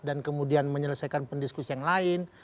dan kemudian menyelesaikan pendiskusi yang lain